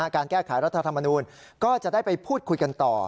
การแก้ไขรัฐธรรมนูลก็จะได้ไปพูดคุยกันต่อ